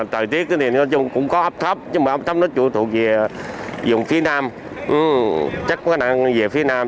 tời tiết thì nói chung cũng có ấp thấp nhưng mà ấp thấp nó chủ thuộc về vùng phía nam chắc có khả năng về phía nam